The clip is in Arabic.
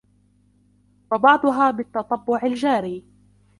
وَبَعْضُهَا بِالتَّطَبُّعِ الْجَارِي